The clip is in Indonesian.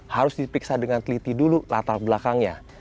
harus dipiksa dengan teliti dulu latar belakangnya